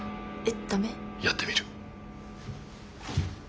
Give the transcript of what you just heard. やってみる。